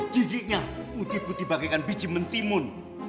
giginya putih putih bagaikan biji mentimun